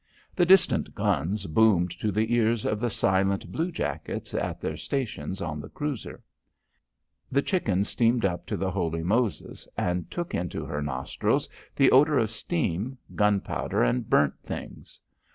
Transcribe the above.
The distant guns boomed to the ears of the silent blue jackets at their stations on the cruiser. The Chicken steamed up to the Holy Moses and took into her nostrils the odour of steam, gunpowder and burnt things.